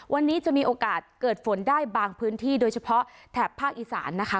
วันนี้จะมีโอกาสเกิดฝนได้บางพื้นที่โดยเฉพาะแถบภาคอีสานนะคะ